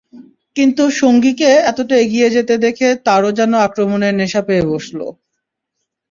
কিন্তু সঙ্গীকে এতটা এগিয়ে যেতে দেখে তাঁরও যেন আক্রমণের নেশা পেয়ে বসল।